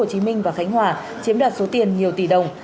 chiếm đạt số tiền nhiều tỷ đồng